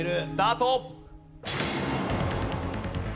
スタート！